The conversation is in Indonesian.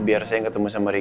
dan gue yamin